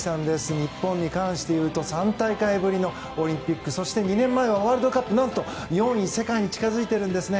日本に関していうと３大会ぶりのオリンピックそして、２年前のワールドカップ何と４位世界に近づいているんですね。